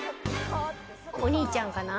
お兄ちゃんかな？